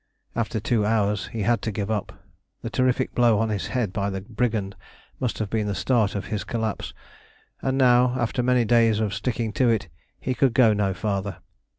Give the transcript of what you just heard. After two hours he had to give up. The terrific blow on his head by the brigand must have been the start of his collapse, and now, after many days of sticking to it, he could go no farther.